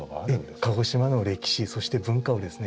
鹿児島の歴史そして文化をですね